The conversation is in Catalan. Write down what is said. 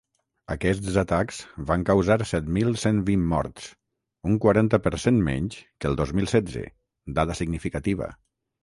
Aquests atacs van causar set mil cent vint morts, un quaranta per cent menys que el dos mil setze, dada significativa.